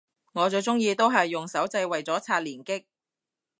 我最鍾意都係用手掣為咗刷連擊